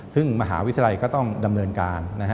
ซึ่งมหาวิทยาลัยก็ต้องดำเนินการ